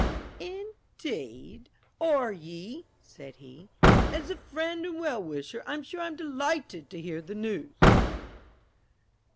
"Indeed, are ye?" said he. "As a friend and well wisher, I'm sure I'm delighted to hear the news."